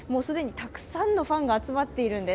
たくさんのファンが集まっているんです。